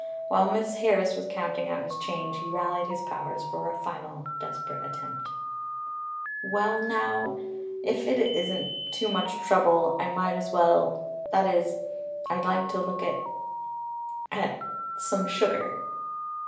While Miss Harris was counting out his change he rallied his powers for a final desperate attempt. "Well now if it isn't too much trouble I might as well that is I'd like to look at at some sugar."